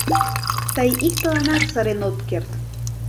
Тый иктыланат сырен от керт.